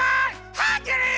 ハングリー！